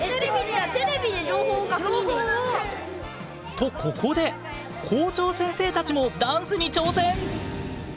とここで校長先生たちもダンスに挑戦！